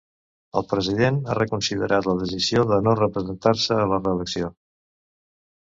El president ha reconsiderat la decisió de no presentar-se a la reelecció.